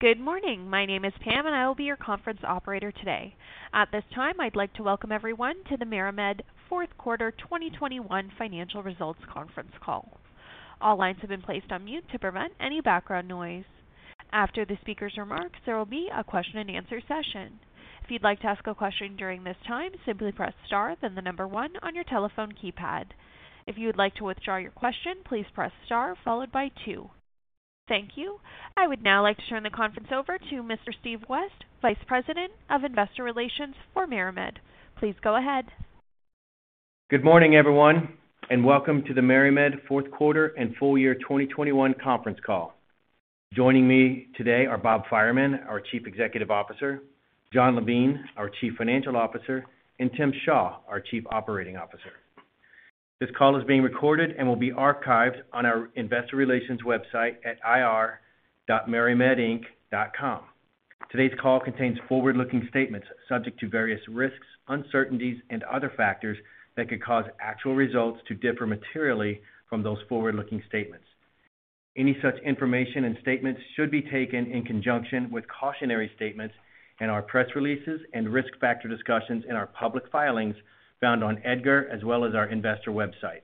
Good morning. My name is Pam and I will be your conference operator today. At this time, I'd like to welcome everyone to the MariMed Fourth Quarter 2021 Financial Results Conference Call. All lines have been placed on mute to prevent any background noise. After the speaker's remarks, there will be a question-and-answer session. If you'd like to ask a question during this time, simply press star, then the number one on your telephone keypad. If you would like to withdraw your question, please press star followed by two. Thank you. I would now like to turn the conference over to Mr. Steve West, Vice President of Investor Relations for MariMed. Please go ahead. Good morning, everyone, and welcome to the MariMed Fourth Quarter and Full Year 2021 Conference Call. Joining me today are Robert Fireman, our Chief Executive Officer, Jon Levine, our Chief Financial Officer, and Timothy Shaw, our Chief Operating Officer. This call is being recorded and will be archived on our Investor Relations website at ir.marimedinc.com. Today's call contains forward-looking statements subject to various risks, uncertainties, and other factors that could cause actual results to differ materially from those forward-looking statements. Any such information and statements should be taken in conjunction with cautionary statements in our press releases and risk factor discussions in our public filings found on EDGAR as well as our investor website.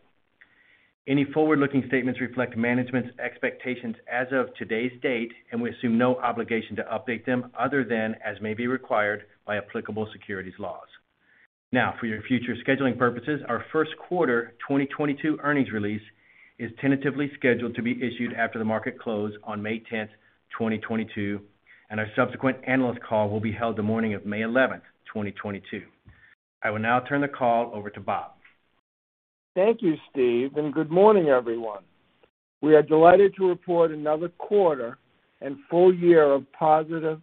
Any forward-looking statements reflect management's expectations as of today's date, and we assume no obligation to update them other than as may be required by applicable securities laws. Now, for your future scheduling purposes, our first quarter 2022 earnings release is tentatively scheduled to be issued after the market close on May 10, 2022, and our subsequent analyst call will be held the morning of May 11, 2022. I will now turn the call over to Bob. Thank you, Steve, and good morning, everyone. We are delighted to report another quarter and full year of positive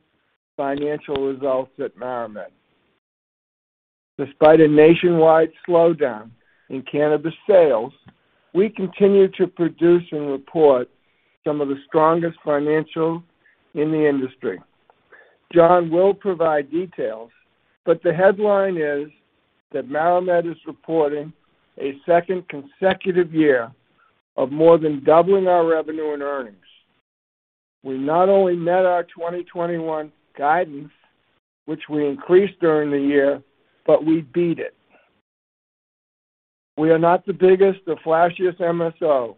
financial results at MariMed. Despite a nationwide slowdown in cannabis sales, we continue to produce and report some of the strongest financials in the industry. Jon will provide details, but the headline is that MariMed is reporting a second consecutive year of more than doubling our revenue and earnings. We not only met our 2021 guidance, which we increased during the year, but we beat it. We are not the biggest or flashiest MSO.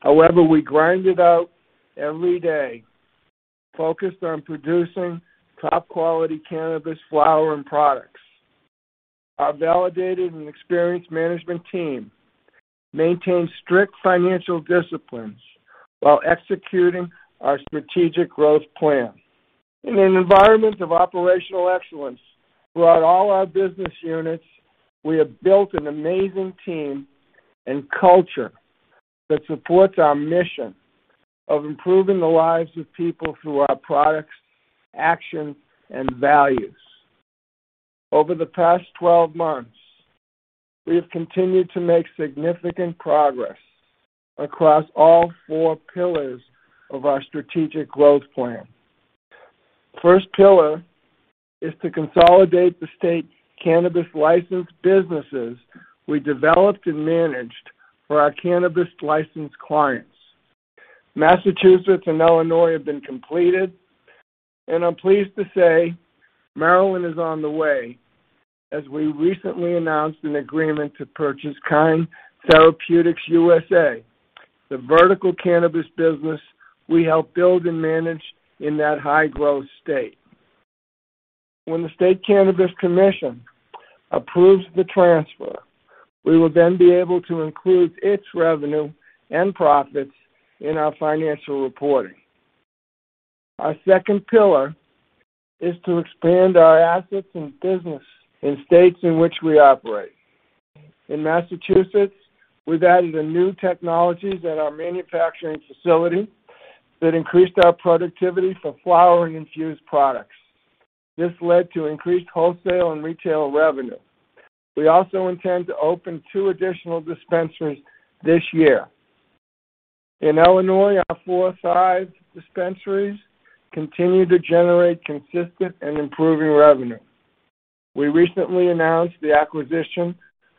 However, we grind it out every day, focused on producing top-quality cannabis flower and products. Our validated and experienced management team maintains strict financial disciplines while executing our strategic growth plan. In an environment of operational excellence throughout all our business units, we have built an amazing team and culture that supports our mission of improving the lives of people through our products, actions, and values. Over the past 12 months, we have continued to make significant progress across all four pillars of our strategic growth plan. First pillar is to consolidate the state cannabis licensed businesses we developed and managed for our cannabis licensed clients. Massachusetts and Illinois have been completed and I'm pleased to say Maryland is on the way as we recently announced an agreement to purchase Kind Therapeutics USA, the vertical cannabis business we helped build and manage in that high-growth state. When the State Cannabis Commission approves the transfer, we will then be able to include its revenue and profits in our financial reporting. Our second pillar is to expand our assets and business in states in which we operate. In Massachusetts, we've added the new technologies at our manufacturing facility that increased our productivity for flower and infused products. This led to increased wholesale and retail revenue. We also intend to open two additional dispensaries this year. In Illinois, our four Thrive dispensaries continue to generate consistent and improving revenue. We recently announced the acquisition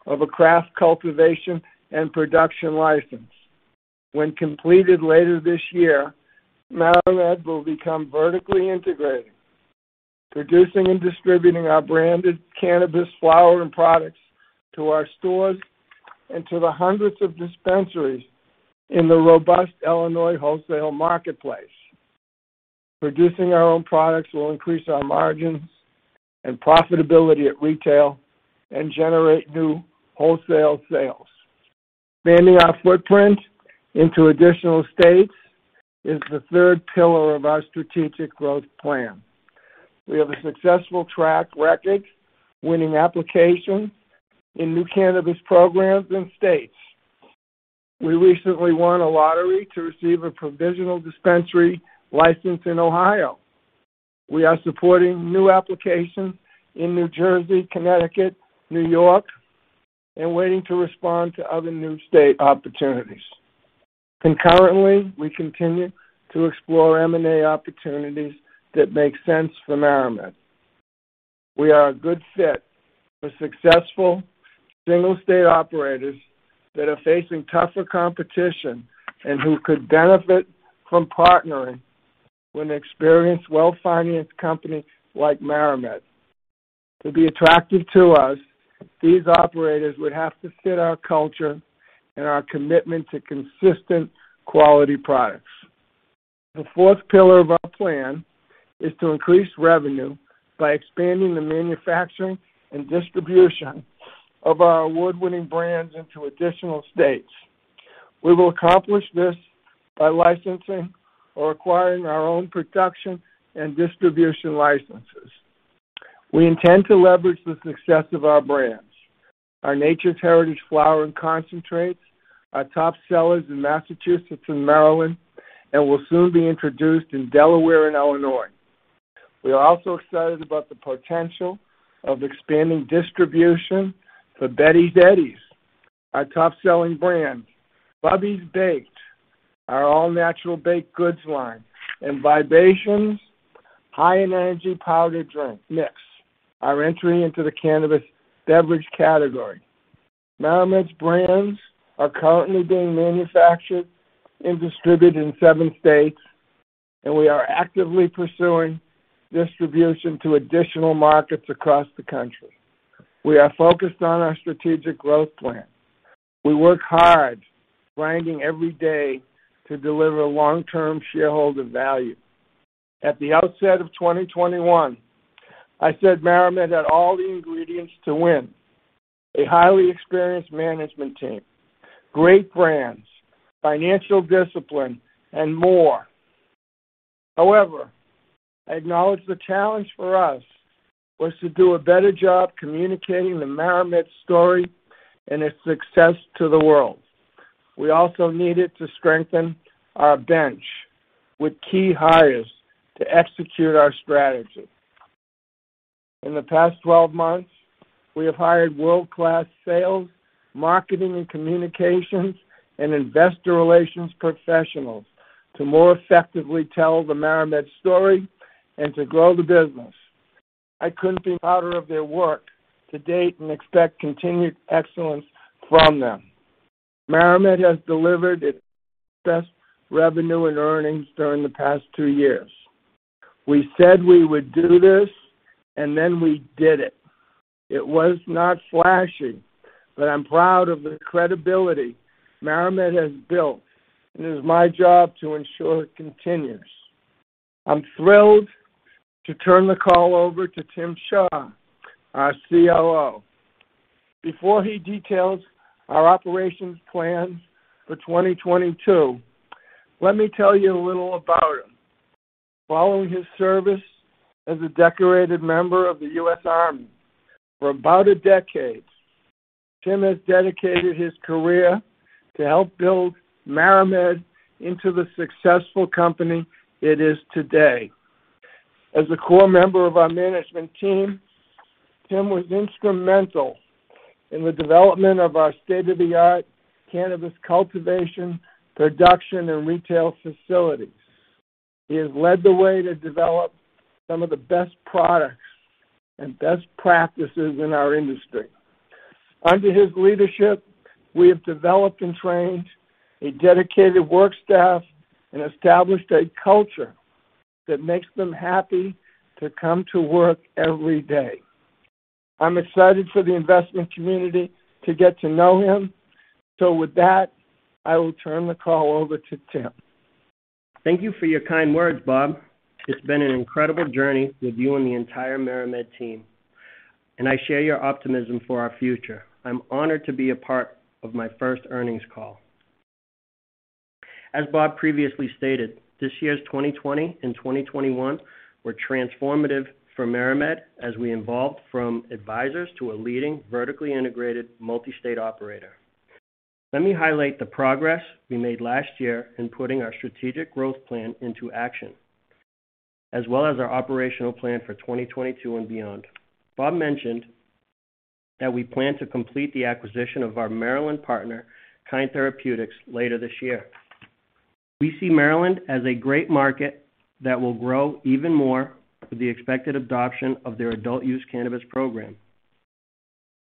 of a craft cultivation and production license. When completed later this year, MariMed will become vertically integrated, producing and distributing our branded cannabis flower and products to our stores and to the hundreds of dispensaries in the robust Illinois wholesale marketplace. Producing our own products will increase our margins and profitability at retail and generate new wholesale sales. Expanding our footprint into additional states is the third pillar of our strategic growth plan. We have a successful track record winning applications in new cannabis programs and states. We recently won a lottery to receive a provisional dispensary license in Ohio. We are supporting new applications in New Jersey, Connecticut, New York, and waiting to respond to other new state opportunities. Concurrently, we continue to explore M&A opportunities that make sense for MariMed. We are a good fit for successful single state operators that are facing tougher competition and who could benefit from partnering with an experienced, well-financed company like MariMed. To be attractive to us, these operators would have to fit our culture and our commitment to consistent quality products. The fourth pillar of our plan is to increase revenue by expanding the manufacturing and distribution of our award-winning brands into additional states. We will accomplish this by licensing or acquiring our own production and distribution licenses. We intend to leverage the success of our brands. Our Nature's Heritage flower and concentrates are top sellers in Massachusetts and Maryland and will soon be introduced in Delaware and Illinois. We are also excited about the potential of expanding distribution for Betty's Eddies, our top-selling brand, Bubby's Baked, our all-natural baked goods line, and Vibations High + Energy powdered drink mix, our entry into the cannabis beverage category. MariMed's brands are currently being manufactured and distributed in seven states, and we are actively pursuing distribution to additional markets across the country. We are focused on our strategic growth plan. We work hard, grinding every day to deliver long-term shareholder value. At the outset of 2021, I said MariMed had all the ingredients to win, a highly experienced management team, great brands, financial discipline, and more. However, I acknowledge the challenge for us was to do a better job communicating the MariMed story and its success to the world. We also needed to strengthen our bench with key hires to execute our strategy. In the past 12 months, we have hired world-class sales, marketing, and communications, and investor relations professionals to more effectively tell the MariMed story and to grow the business. I couldn't be prouder of their work to date and expect continued excellence from them. MariMed has delivered its best revenue and earnings during the past two years. We said we would do this, and then we did it. It was not flashy, but I'm proud of the credibility MariMed has built, and it is my job to ensure it continues. I'm thrilled to turn the call over to Tim Shaw, our COO. Before he details our operations plans for 2022, let me tell you a little about him. Following his service as a decorated member of the U.S. Army for about a decade, Tim has dedicated his career to help build MariMed into the successful company it is today. As a core member of our management team, Tim was instrumental in the development of our state-of-the-art cannabis cultivation, production, and retail facilities. He has led the way to develop some of the best products and best practices in our industry. Under his leadership, we have developed and trained a dedicated work staff and established a culture that makes them happy to come to work every day. I'm excited for the investment community to get to know him. With that, I will turn the call over to Tim. Thank you for your kind words, Bob. It's been an incredible journey with you and the entire MariMed team, and I share your optimism for our future. I'm honored to be a part of my first earnings call. As Bob previously stated, this year's 2020 and 2021 were transformative for MariMed as we evolved from advisors to a leading vertically integrated multi-state operator. Let me highlight the progress we made last year in putting our strategic growth plan into action, as well as our operational plan for 2022 and beyond. Bob mentioned that we plan to complete the acquisition of our Maryland partner, Kind Therapeutics USA, later this year. We see Maryland as a great market that will grow even more with the expected adoption of their adult-use cannabis program.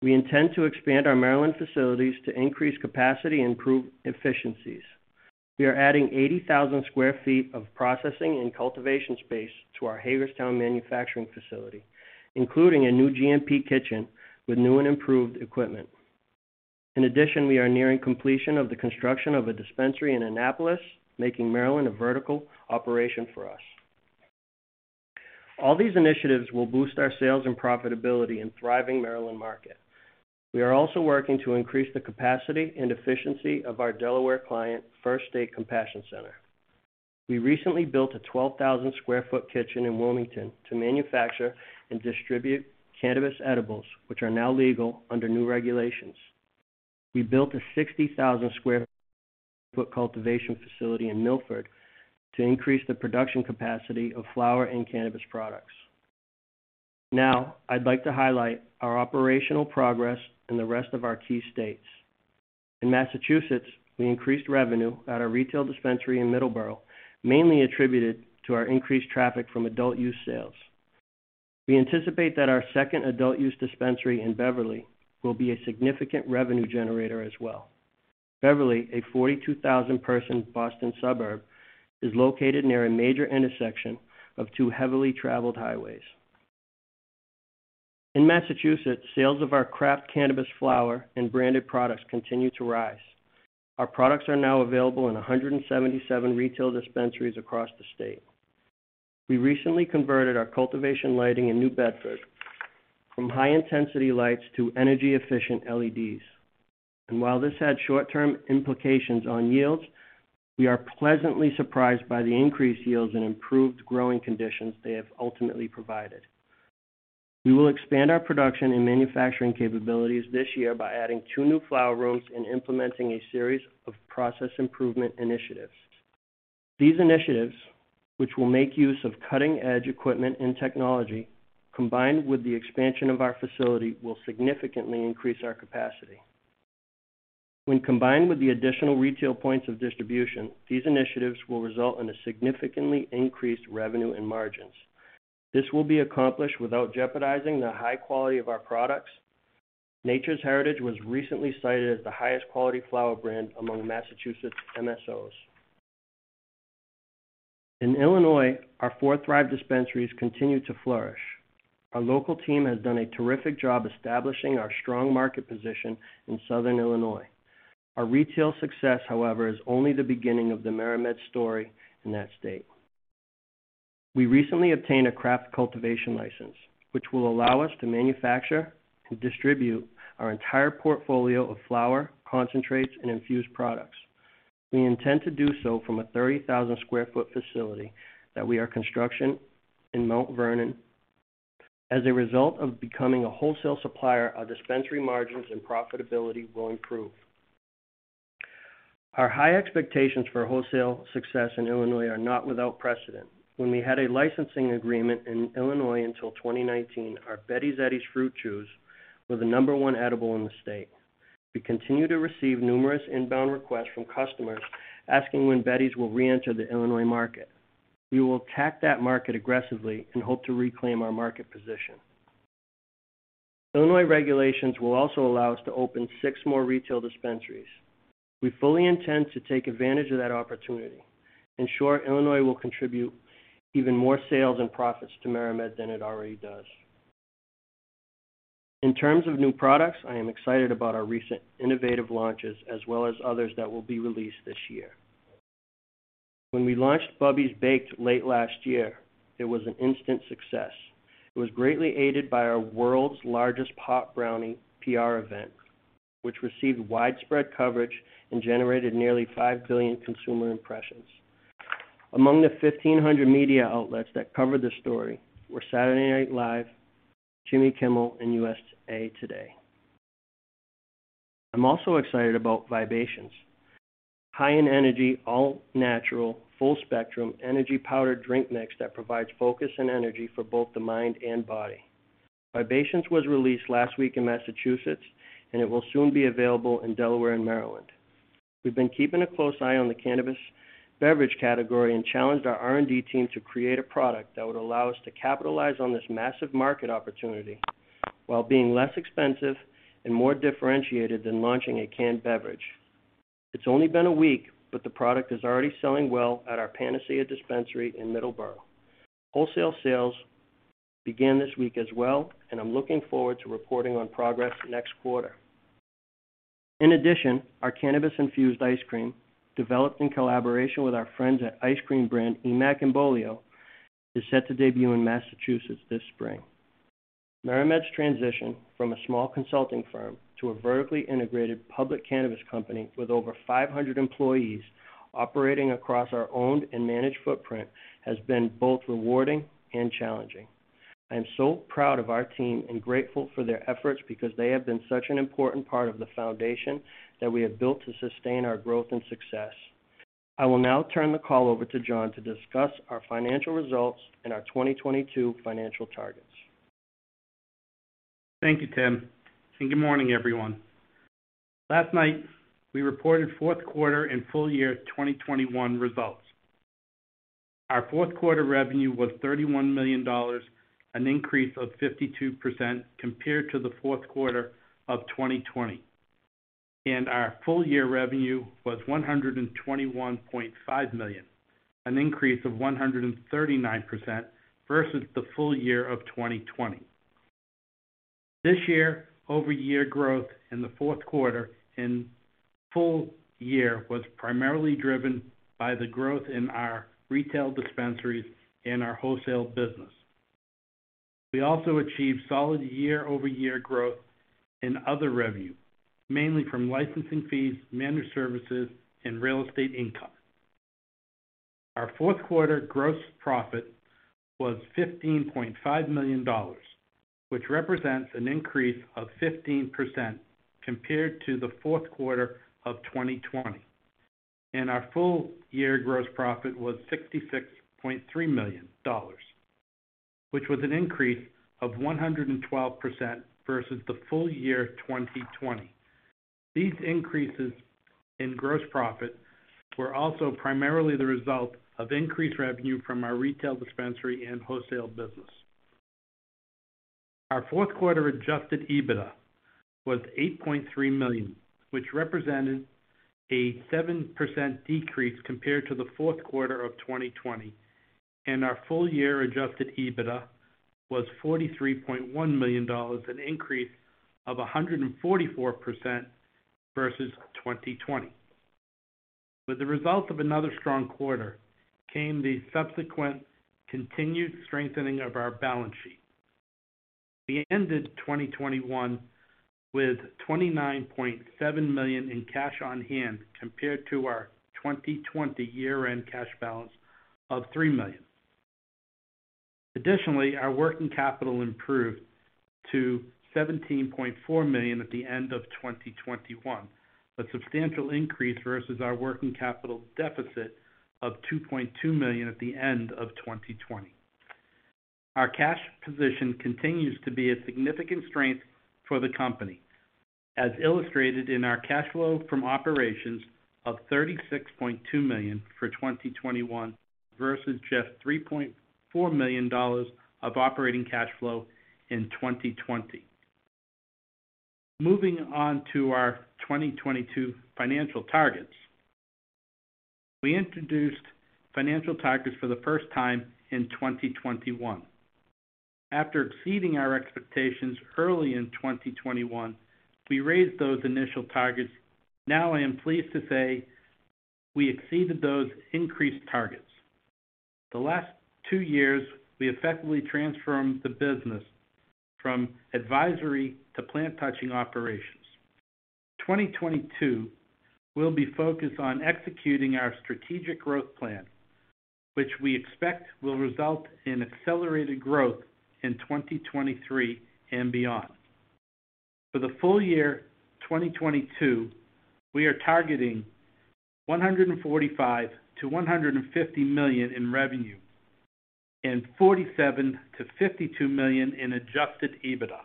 We intend to expand our Maryland facilities to increase capacity and improve efficiencies. We are adding 80,000 sq ft of processing and cultivation space to our Hagerstown manufacturing facility, including a new GMP kitchen with new and improved equipment. In addition, we are nearing completion of the construction of a dispensary in Annapolis, making Maryland a vertical operation for us. All these initiatives will boost our sales and profitability in thriving Maryland market. We are also working to increase the capacity and efficiency of our Delaware client, First State Compassion. We recently built a 12,000-sq-ft kitchen in Wilmington to manufacture and distribute cannabis edibles, which are now legal under new regulations. We built a 60,000-sq-ft cultivation facility in Milford to increase the production capacity of flower and cannabis products. Now, I'd like to highlight our operational progress in the rest of our key states. In Massachusetts, we increased revenue at our retail dispensary in Middleborough, mainly attributed to our increased traffic from adult-use sales. We anticipate that our second adult-use dispensary in Beverly will be a significant revenue generator as well. Beverly, a 42,000-person Boston suburb, is located near a major intersection of two heavily traveled highways. In Massachusetts, sales of our craft cannabis flower and branded products continue to rise. Our products are now available in 177 retail dispensaries across the state. We recently converted our cultivation lighting in New Bedford from high-intensity lights to energy-efficient LEDs. While this had short-term implications on yields, we are pleasantly surprised by the increased yields and improved growing conditions they have ultimately provided. We will expand our production and manufacturing capabilities this year by adding two new flower rooms and implementing a series of process improvement initiatives. These initiatives, which will make use of cutting-edge equipment and technology, combined with the expansion of our facility, will significantly increase our capacity. When combined with the additional retail points of distribution, these initiatives will result in a significantly increased revenue and margins. This will be accomplished without jeopardizing the high quality of our products. Nature's Heritage was recently cited as the highest quality flower brand among Massachusetts MSOs. In Illinois, our four Thrive dispensaries continue to flourish. Our local team has done a terrific job establishing our strong market position in Southern Illinois. Our retail success, however, is only the beginning of the MariMed story in that state. We recently obtained a craft cultivation license, which will allow us to manufacture and distribute our entire portfolio of flower, concentrates, and infused products. We intend to do so from a 30,000 sq ft facility that we are constructing in Mount Vernon. As a result of becoming a wholesale supplier, our dispensary margins and profitability will improve. Our high expectations for wholesale success in Illinois are not without precedent. When we had a licensing agreement in Illinois until 2019, our Betty's Eddies fruit chews were the number one edible in the state. We continue to receive numerous inbound requests from customers asking when Betty's will reenter the Illinois market. We will attack that market aggressively and hope to reclaim our market position. Illinois regulations will also allow us to open six more retail dispensaries. We fully intend to take advantage of that opportunity. In short, Illinois will contribute even more sales and profits to MariMed than it already does. In terms of new products, I am excited about our recent innovative launches as well as others that will be released this year. When we launched Bubby's Baked late last year, it was an instant success. It was greatly aided by our world's largest pot brownie PR event, which received widespread coverage and generated nearly 5 billion consumer impressions. Among the 1,500 media outlets that covered the story were Saturday Night Live, Jimmy Kimmel, and USA Today. I'm also excited about Vibations High + Energy, all-natural, full-spectrum energy powder drink mix that provides focus and energy for both the mind and body. Vibations was released last week in Massachusetts, and it will soon be available in Delaware and Maryland. We've been keeping a close eye on the cannabis beverage category and challenged our R&D team to create a product that would allow us to capitalize on this massive market opportunity while being less expensive and more differentiated than launching a canned beverage. It's only been a week, but the product is already selling well at our Panacea dispensary in Middleborough. Wholesale sales began this week as well, and I'm looking forward to reporting on progress next quarter. In addition, our cannabis-infused ice cream, developed in collaboration with our friends at Emack & Bolio's, is set to debut in Massachusetts this spring. MariMed's transition from a small consulting firm to a vertically integrated public cannabis company with over 500 employees operating across our owned and managed footprint has been both rewarding and challenging. I am so proud of our team and grateful for their efforts because they have been such an important part of the foundation that we have built to sustain our growth and success. I will now turn the call over to Jon to discuss our financial results and our 2022 financial targets. Thank you, Tim, and good morning, everyone. Last night, we reported fourth quarter and full year 2021 results. Our fourth quarter revenue was $31 million, an increase of 52% compared to the fourth quarter of 2020. Our full year revenue was $121.5 million, an increase of 139% versus the full year of 2020. This year-over-year growth in the fourth quarter and full year was primarily driven by the growth in our retail dispensaries and our wholesale business. We also achieved solid year-over-year growth in other revenue, mainly from licensing fees, managed services, and real estate income. Our fourth quarter gross profit was $15.5 million, which represents an increase of 15% compared to the fourth quarter of 2020. Our full year gross profit was $66.3 million, which was an increase of 112% versus the full year 2020. These increases in gross profit were also primarily the result of increased revenue from our retail dispensary and wholesale business. Our fourth quarter adjusted EBITDA was $8.3 million, which represented a 7% decrease compared to the fourth quarter of 2020. Our full year adjusted EBITDA was $43.1 million, an increase of 144% versus 2020. With the result of another strong quarter came the subsequent continued strengthening of our balance sheet. We ended 2021 with $29.7 million in cash on hand, compared to our 2020 year-end cash balance of $3 million. Additionally, our working capital improved to $17.4 million at the end of 2021, a substantial increase versus our working capital deficit of $2.2 million at the end of 2020. Our cash position continues to be a significant strength for the company, as illustrated in our cash flow from operations of $36.2 million for 2021 versus just $3.4 million of operating cash flow in 2020. Moving on to our 2022 financial targets. We introduced financial targets for the first time in 2021. After exceeding our expectations early in 2021, we raised those initial targets. Now I am pleased to say we exceeded those increased targets. The last two years, we effectively transformed the business from advisory to plant-touching operations. 2022 will be focused on executing our strategic growth plan, which we expect will result in accelerated growth in 2023 and beyond. For the full year 2022, we are targeting $145 million-$150 million in revenue and $47 million-$52 million in adjusted EBITDA.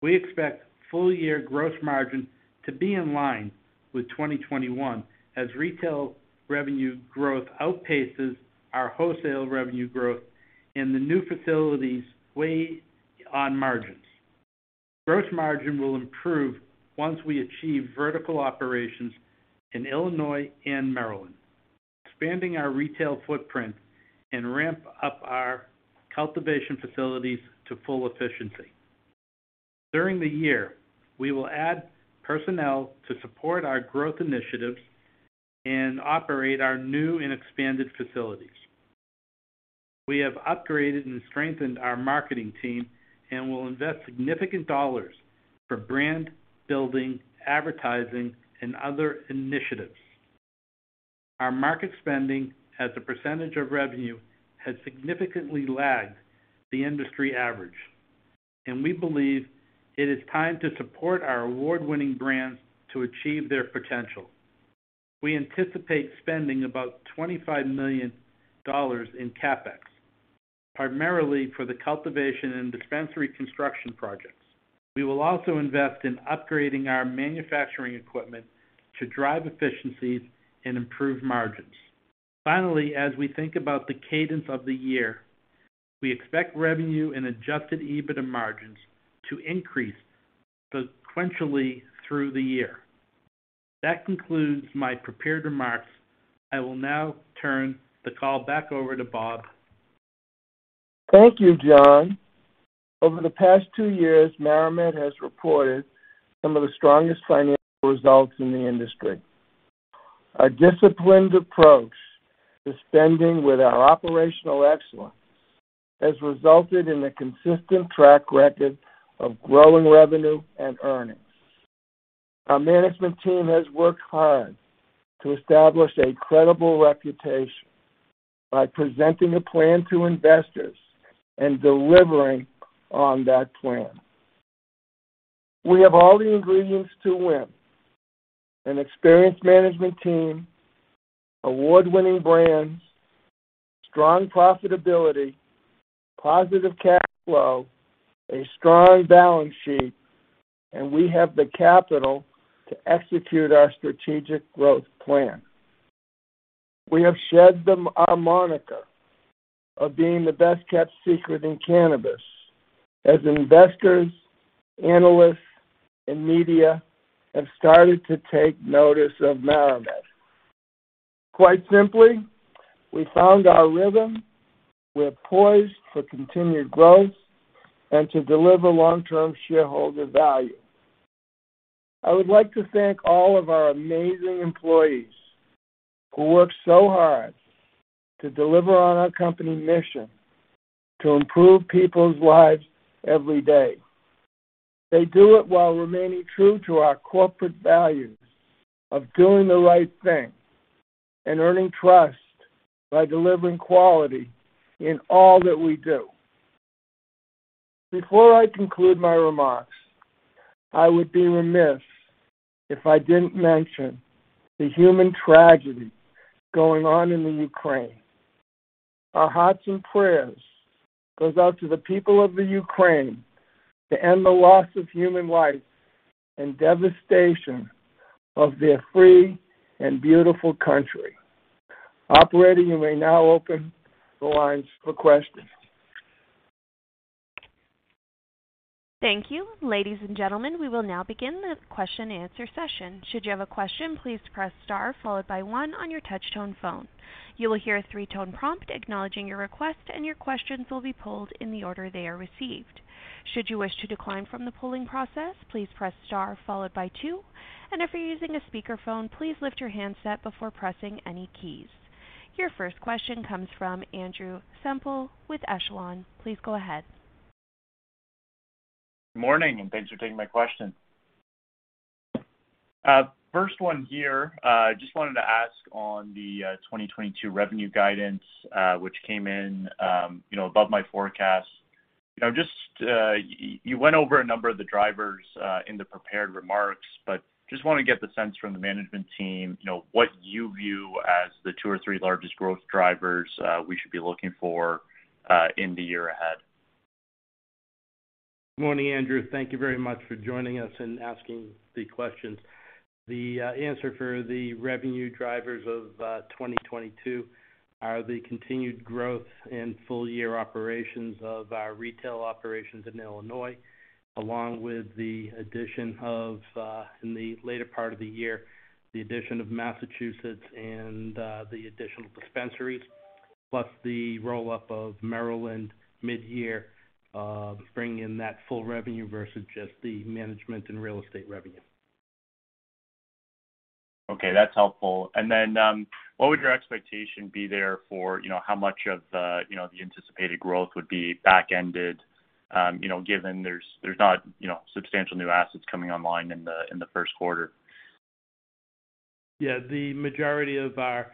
We expect full year gross margin to be in line with 2021 as retail revenue growth outpaces our wholesale revenue growth and the new facilities weigh on margins. Gross margin will improve once we achieve vertical operations in Illinois and Maryland, expanding our retail footprint and ramp up our cultivation facilities to full efficiency. During the year, we will add personnel to support our growth initiatives and operate our new and expanded facilities. We have upgraded and strengthened our marketing team and will invest significant dollars for brand building, advertising and other initiatives. Our market spending as a percentage of revenue has significantly lagged the industry average, and we believe it is time to support our award-winning brands to achieve their potential. We anticipate spending about $25 million in CapEx, primarily for the cultivation and dispensary construction projects. We will also invest in upgrading our manufacturing equipment to drive efficiencies and improve margins. Finally, as we think about the cadence of the year, we expect revenue and adjusted EBITDA margins to increase sequentially through the year. That concludes my prepared remarks. I will now turn the call back over to Bob. Thank you, Jon. Over the past two years, MariMed has reported some of the strongest financial results in the industry. Our disciplined approach to spending with our operational excellence has resulted in a consistent track record of growing revenue and earnings. Our management team has worked hard to establish a credible reputation by presenting a plan to investors and delivering on that plan. We have all the ingredients to win, an experienced management team, award-winning brands, strong profitability, positive cash flow, a strong balance sheet, and we have the capital to execute our strategic growth plan. We have shed our moniker of being the best-kept secret in cannabis as investors, analysts, and media have started to take notice of MariMed. Quite simply, we found our rhythm. We are poised for continued growth and to deliver long-term shareholder value. I would like to thank all of our amazing employees who work so hard to deliver on our company mission to improve people's lives every day. They do it while remaining true to our corporate values of doing the right thing and earning trust by delivering quality in all that we do. Before I conclude my remarks, I would be remiss if I didn't mention the human tragedy going on in Ukraine. Our hearts and prayers goes out to the people of Ukraine to end the loss of human life and devastation of their free and beautiful country. Operator, you may now open the lines for questions. Thank you. Ladies and gentlemen, we will now begin the question-and-answer session. Should you have a question, please press star followed by one on your touch-tone phone. You will hear a three-tone prompt acknowledging your request, and your questions will be pulled in the order they are received. Should you wish to decline from the polling process, please press star followed by two. If you're using a speakerphone, please lift your handset before pressing any keys. Your first question comes from Andrew Semple with Echelon. Please go ahead. Morning, and thanks for taking my question. First one here, just wanted to ask on the 2022 revenue guidance, which came in, you know, above my forecast. You know, just, you went over a number of the drivers in the prepared remarks, but just wanna get the sense from the management team, you know, what you view as the two or three largest growth drivers we should be looking for in the year ahead. Morning, Andrew. Thank you very much for joining us and asking the questions. The answer for the revenue drivers of 2022 are the continued growth and full year operations of our retail operations in Illinois, along with the addition of, in the later part of the year, the addition of Massachusetts and, the additional dispensaries, plus the roll-up of Maryland mid-year, bringing in that full revenue versus just the management and real estate revenue. Okay, that's helpful. What would your expectation be there for, you know, how much of the, you know, the anticipated growth would be back-ended, you know, given there's not, you know, substantial new assets coming online in the first quarter? Yeah. The majority of our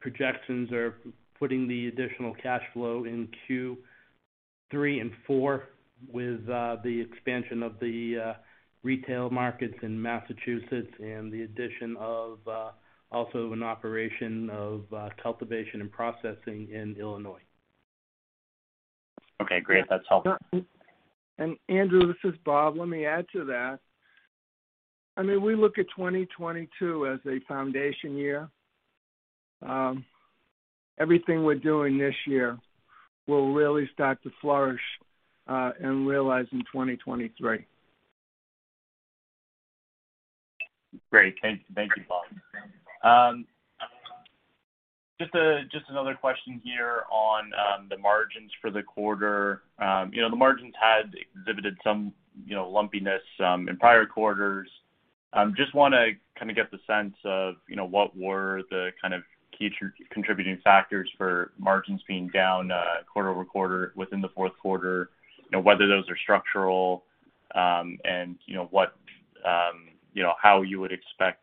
projections are putting the additional cash flow in Q3 and Q4 with the expansion of the retail markets in Massachusetts and the addition of also an operation of cultivation and processing in Illinois. Okay, great. That's helpful. Andrew, this is Bob. Let me add to that. I mean, we look at 2022 as a foundation year. Everything we're doing this year will really start to flourish, and realize in 2023. Great. Thank you, Bob. Just another question here on the margins for the quarter. You know, the margins had exhibited some you know, lumpiness in prior quarters. Just wanna kinda get the sense of, you know, what were the kind of key contributing factors for margins being down quarter-over-quarter within the fourth quarter and whether those are structural, and you know, what, you know, how you would expect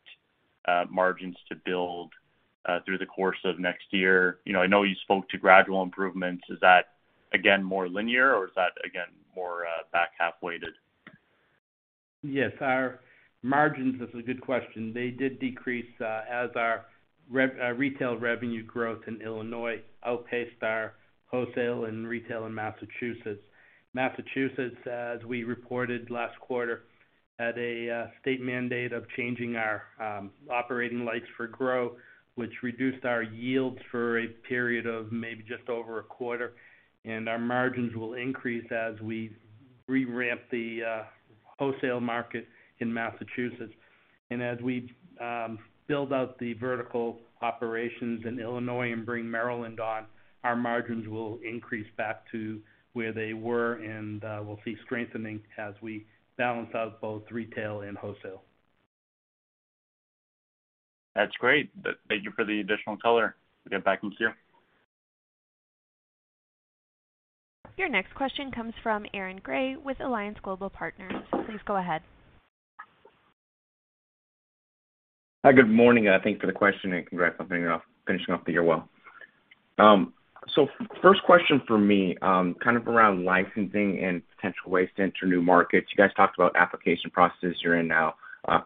margins to build through the course of next year. You know, I know you spoke to gradual improvements. Is that again more linear, or is that again more back half weighted? Yes, our margins, that's a good question. They did decrease as our retail revenue growth in Illinois outpaced our wholesale and retail in Massachusetts. Massachusetts, as we reported last quarter, had a state mandate of changing our operating lights for grow, which reduced our yields for a period of maybe just over a quarter. Our margins will increase as we re-ramp the wholesale market in Massachusetts. As we build out the vertical operations in Illinois and bring Maryland on, our margins will increase back to where they were, and we'll see strengthening as we balance out both retail and wholesale. That's great. Thank you for the additional color. Get back to you. Your next question comes from Aaron Grey with Alliance Global Partners. Please go ahead. Hi, good morning, and thank you for the question, and congrats on finishing off the year well. First question from me, kind of around licensing and potential ways to enter new markets. You guys talked about application processes you're in now,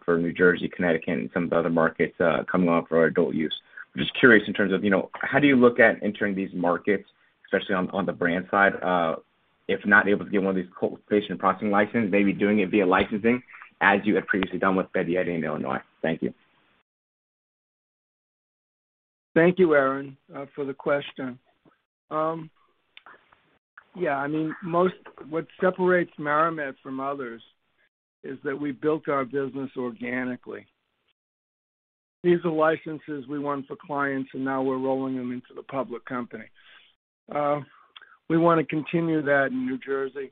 for New Jersey, Connecticut, and some of the other markets, coming up for adult use. I'm just curious in terms of, you know, how do you look at entering these markets, especially on the brand side, if not able to get one of these cultivation or processing license, maybe doing it via licensing as you had previously done with Betty's Eddies in Illinois? Thank you. Thank you, Aaron, for the question. Yeah, I mean, what separates MariMed from others is that we built our business organically. These are licenses we won for clients, and now we're rolling them into the public company. We wanna continue that in New Jersey,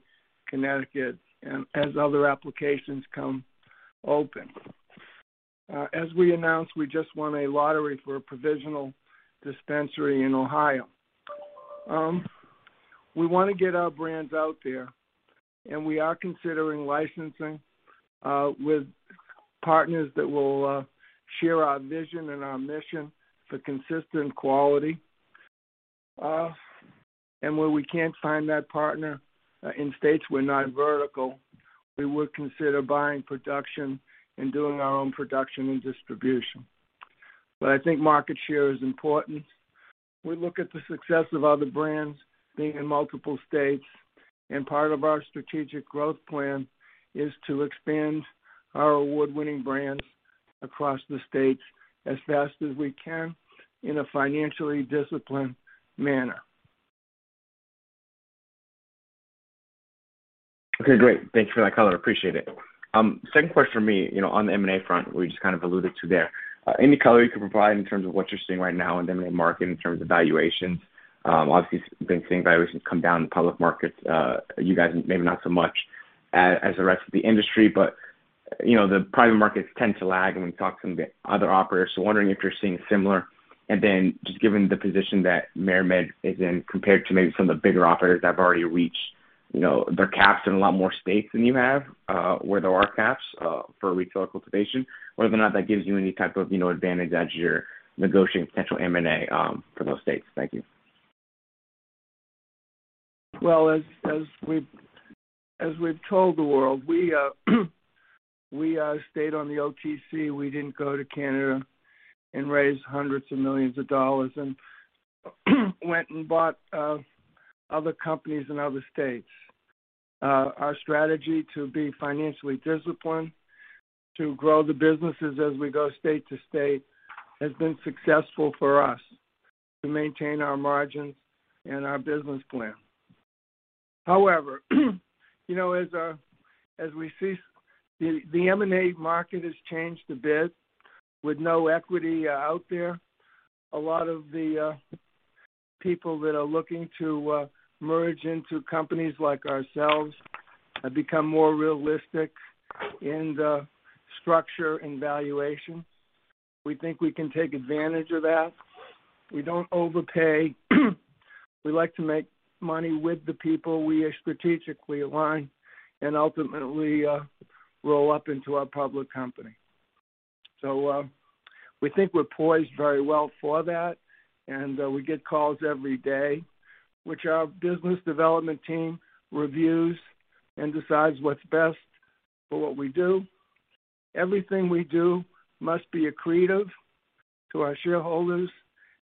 Connecticut, and as other applications come open. As we announced, we just won a lottery for a provisional dispensary in Ohio. We wanna get our brands out there, and we are considering licensing with partners that will share our vision and our mission for consistent quality. Where we can't find that partner in states we're not vertical, we would consider buying production and doing our own production and distribution. I think market share is important. We look at the success of other brands being in multiple states, and part of our strategic growth plan is to expand our award-winning brands across the states as fast as we can in a financially disciplined manner. Okay, great. Thank you for that color. Appreciate it. Second question from me, you know, on the M&A front we just kind of alluded to there. Any color you can provide in terms of what you're seeing right now in the M&A market in terms of valuations? Obviously been seeing valuations come down in public markets. You guys maybe not so much as the rest of the industry, but, you know, the private markets tend to lag when we talk to the other operators. Wondering if you're seeing similar. Just given the position that MariMed is in compared to maybe some of the bigger operators that have already reached, you know, their caps in a lot more states than you have, where there are caps for retail cultivation, whether or not that gives you any type of, you know, advantage as you're negotiating potential M&A for those states. Thank you. As we've told the world, we stayed on the OTC. We didn't go to Canada and raise hundreds of millions of dollars and went and bought other companies in other states. Our strategy to be financially disciplined, to grow the businesses as we go state to state has been successful for us to maintain our margins and our business plan. However, you know, as we see the M&A market has changed a bit with no equity out there. A lot of the people that are looking to merge into companies like ourselves have become more realistic in the structure and valuation. We think we can take advantage of that. We don't overpay. We like to make money with the people we strategically align and ultimately roll up into our public company. We think we're poised very well for that. We get calls every day, which our business development team reviews and decides what's best for what we do. Everything we do must be accretive to our shareholders,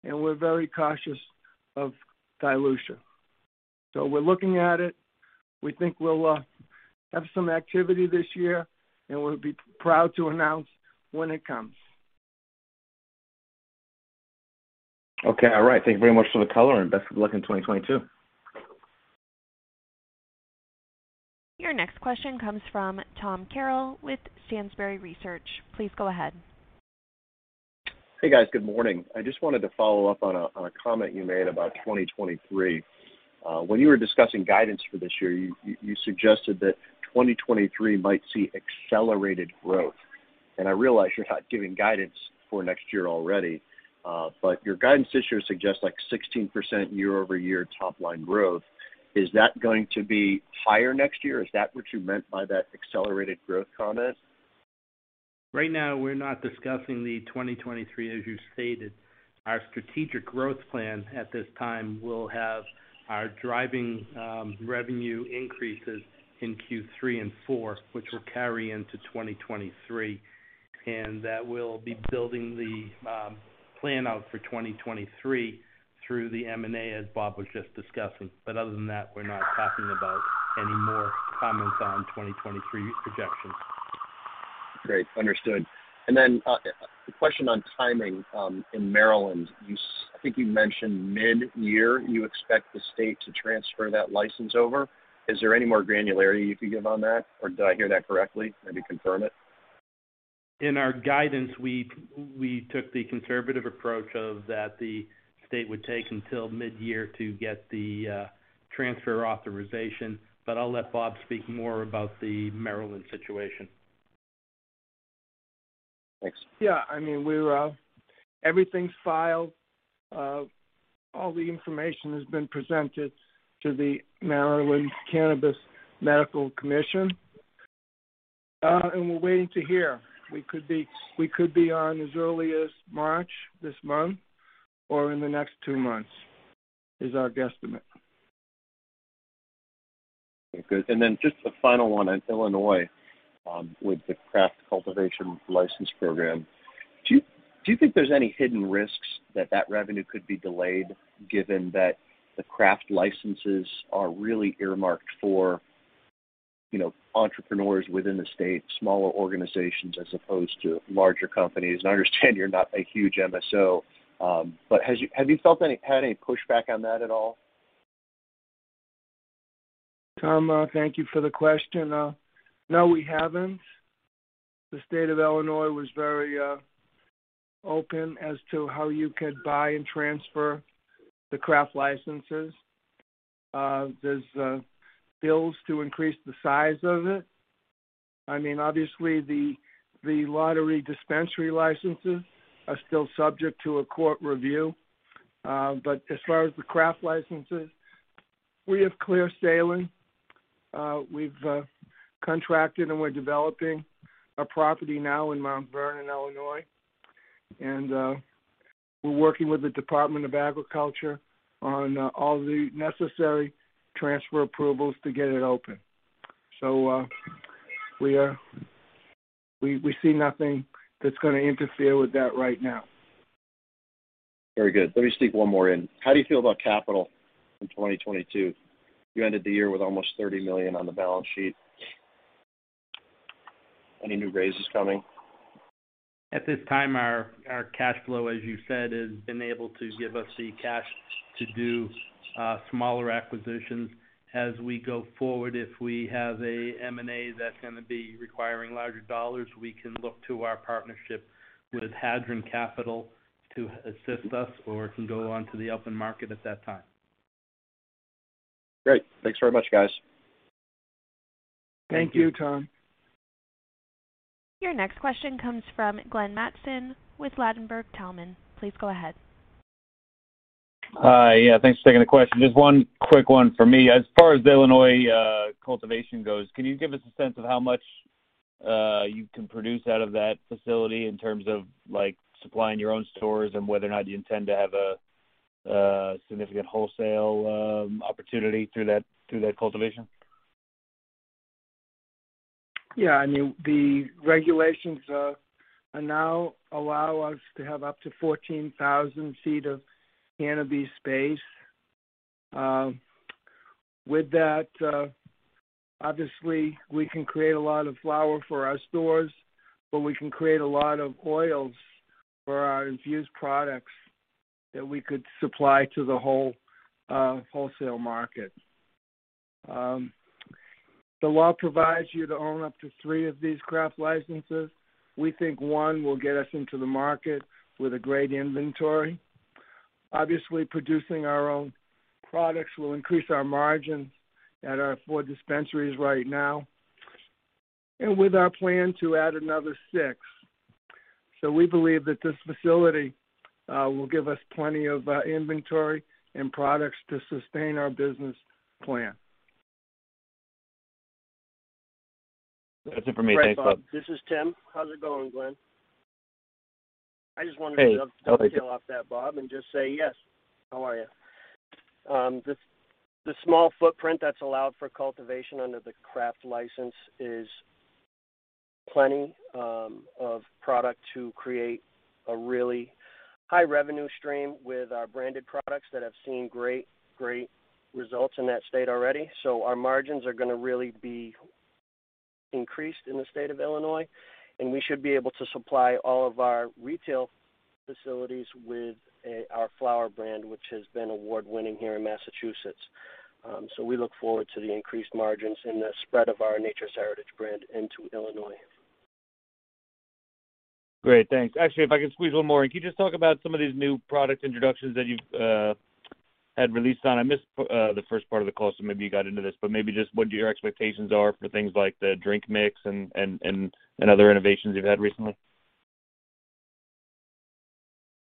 and we're very cautious of dilution. We're looking at it. We think we'll have some activity this year, and we'll be proud to announce when it comes. Okay. All right. Thank you very much for the color and best of luck in 2022. Your next question comes from Thomas Carroll with Stansberry Research. Please go ahead. Hey, guys. Good morning. I just wanted to follow up on a comment you made about 2023. When you were discussing guidance for this year, you suggested that 2023 might see accelerated growth. I realize you're not giving guidance for next year already, but your guidance this year suggests, like, 16% year-over-year top line growth. Is that going to be higher next year? Is that what you meant by that accelerated growth comment? Right now, we're not discussing the 2023, as you stated. Our strategic growth plan at this time will have our driving revenue increases in Q3 and Q4, which will carry into 2023. That will be building the plan out for 2023 through the M&A, as Bob was just discussing. Other than that, we're not talking about any more comments on 2023 projections. Great. Understood. A question on timing in Maryland. I think you mentioned mid-year, you expect the state to transfer that license over. Is there any more granularity you could give on that, or did I hear that correctly? Maybe confirm it. In our guidance, we took the conservative approach of that the state would take until mid-year to get the transfer authorization. I'll let Bob speak more about the Maryland situation. Thanks. Yeah. I mean, we're everything's filed. All the information has been presented to the Maryland Medical Cannabis Commission. We're waiting to hear. We could be on as early as March, this month, or in the next two months, is our guesstimate. Okay, good. Just a final one on Illinois with the craft cultivation license program. Do you think there's any hidden risks that revenue could be delayed given that the craft licenses are really earmarked for, you know, entrepreneurs within the state, smaller organizations as opposed to larger companies? I understand you're not a huge MSO, but have you had any pushback on that at all? Tom, thank you for the question. No, we haven't. The state of Illinois was very open as to how you could buy and transfer the craft licenses. There's bills to increase the size of it. I mean, obviously the lottery dispensary licenses are still subject to a court review. As far as the craft licenses, we have clear sailing. We've contracted, and we're developing a property now in Mount Vernon, Illinois. We're working with the Department of Agriculture on all the necessary transfer approvals to get it open. We see nothing that's gonna interfere with that right now. Very good. Let me sneak one more in. How do you feel about capital in 2022? You ended the year with almost $30 million on the balance sheet. Any new raises coming? At this time, our cash flow, as you said, has been able to give us the cash to do smaller acquisitions. As we go forward, if we have a M&A that's gonna be requiring larger dollars, we can look to our partnership with Hadron Capital to assist us, or we can go onto the open market at that time. Great. Thanks very much, guys. Thank you, Tom. Your next question comes from Glenn Mattson with Ladenburg Thalmann. Please go ahead. Hi. Yeah, thanks for taking the question. Just one quick one for me. As far as the Illinois cultivation goes, can you give us a sense of how much you can produce out of that facility in terms of, like, supplying your own stores and whether or not you intend to have a significant wholesale opportunity through that cultivation? Yeah. I mean, the regulations now allow us to have up to 14,000 ft of cannabis space. With that, obviously, we can create a lot of flower for our stores, but we can create a lot of oils for our infused products that we could supply to the whole, wholesale market. The law provides you to own up to three of these craft licenses. We think one will get us into the market with a great inventory. Obviously, producing our own products will increase our margins at our four dispensaries right now, and with our plan to add another six. We believe that this facility will give us plenty of, inventory and products to sustain our business plan. That's it for me. Thanks, folks. This is Tim. How's it going, Glenn? I just wanted to. Hey. How are you? The small footprint that's allowed for cultivation under the craft license is plenty of product to create a really high revenue stream with our branded products that have seen great results in that state already. Our margins are gonna really be increased in the state of Illinois, and we should be able to supply all of our retail facilities with our flower brand, which has been award-winning here in Massachusetts. We look forward to the increased margins and the spread of our Nature's Heritage brand into Illinois. Great. Thanks. Actually, if I could squeeze one more in. Can you just talk about some of these new product introductions that you've had released on? I missed the first part of the call, so maybe you got into this, but maybe just what your expectations are for things like the drink mix and other innovations you've had recently.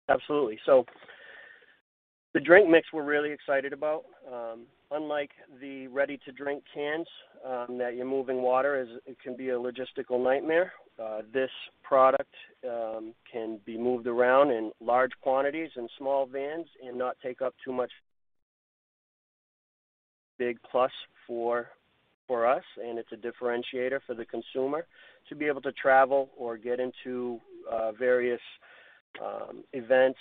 Absolutely. The drink mix we're really excited about. Unlike the ready-to-drink cans that you mix in water, it can be a logistical nightmare. This product can be moved around in large quantities and small vans and not take up too much. Big plus for us, and it's a differentiator for the consumer to be able to travel or get into various events,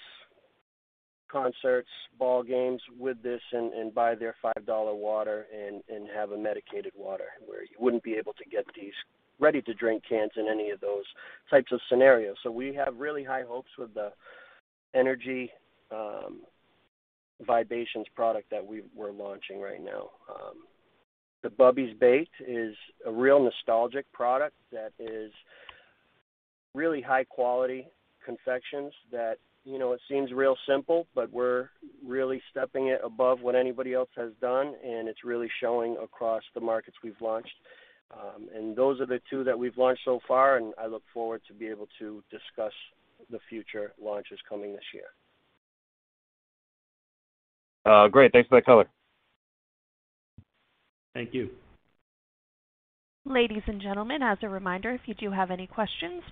concerts, ballgames with this and buy their $5 water and have a medicated water where you wouldn't be able to get these ready-to-drink cans in any of those types of scenarios. We have really high hopes with the energy Vibations product that we're launching right now. The Bubby's Baked is a real nostalgic product that is really high-quality confections that, you know, it seems real simple, but we're really stepping it above what anybody else has done, and it's really showing across the markets we've launched. Those are the two that we've launched so far, and I look forward to be able to discuss the future launches coming this year. Great. Thanks for that color. Thank you. Ladies and gentlemen, as a reminder, if you do have any questions,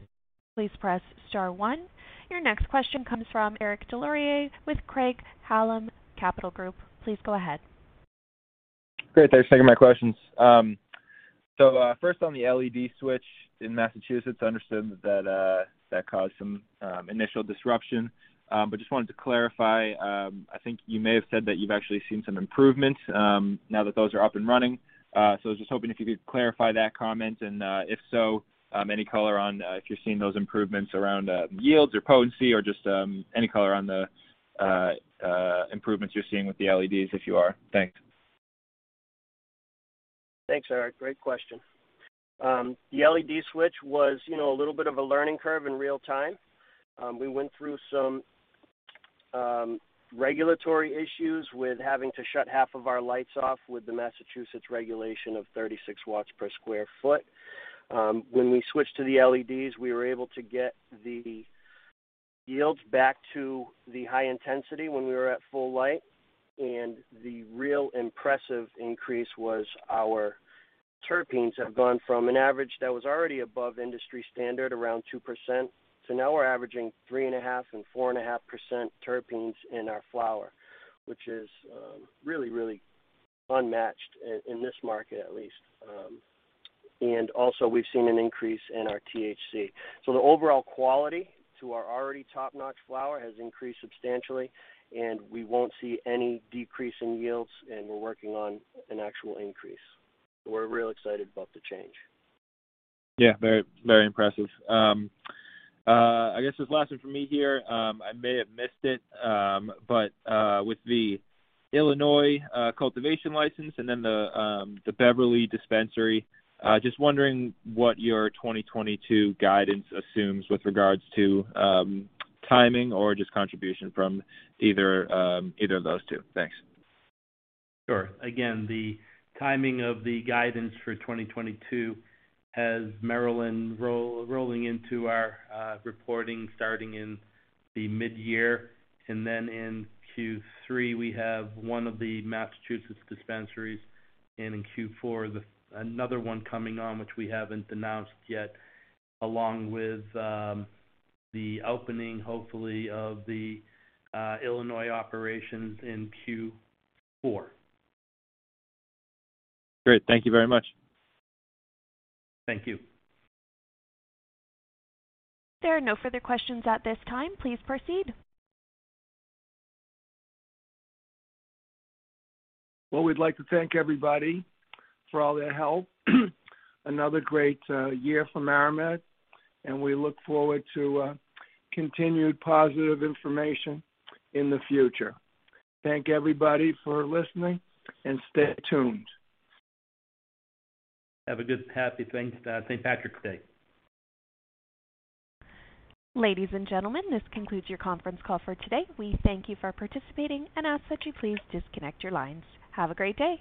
please press star one. Your next question comes from Eric Des Lauriers with Craig-Hallum Capital Group. Please go ahead. Great. Thanks for taking my questions. First on the LED switch in Massachusetts, I understood that that caused some initial disruption. Just wanted to clarify. I think you may have said that you've actually seen some improvements now that those are up and running. I was just hoping if you could clarify that comment. If so, any color on if you're seeing those improvements around yields or potency or just any color on the improvements you're seeing with the LEDs, if you are. Thanks. Thanks, Eric. Great question. The LED switch was, you know, a little bit of a learning curve in real time. We went through some regulatory issues with having to shut half of our lights off with the Massachusetts regulation of 36 W per sq ft. When we switched to the LEDs, we were able to get the yields back to the high intensity when we were at full light. The real impressive increase was our terpenes have gone from an average that was already above industry standard, around 2%. Now we're averaging 3.5% and 4.5% terpenes in our flower, which is really, really unmatched in this market at least. Also we've seen an increase in our THC. The overall quality of our already top-notch flower has increased substantially, and we won't see any decrease in yields, and we're working on an actual increase. We're real excited about the change. Yeah, very, very impressive. I guess this last one for me here, I may have missed it, but with the Illinois cultivation license and then the Beverly dispensary, just wondering what your 2022 guidance assumes with regards to timing or just contribution from either of those two? Thanks. Sure. Again, the timing of the guidance for 2022 has Maryland rolling into our reporting starting in the mid-year. Then in Q3, we have one of the Massachusetts dispensaries, and in Q4, another one coming on which we haven't announced yet, along with the opening, hopefully, of the Illinois operations in Q4. Great. Thank you very much. Thank you. There are no further questions at this time. Please proceed. Well, we'd like to thank everybody for all their help. Another great year for MariMed, and we look forward to continued positive information in the future. Thank everybody for listening, and stay tuned. Have a good, happy St. Patrick's Day. Ladies and gentlemen, this concludes your conference call for today. We thank you for participating and ask that you please disconnect your lines. Have a great day.